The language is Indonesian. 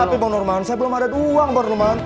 tapi bang norman saya belum ada duang bang norman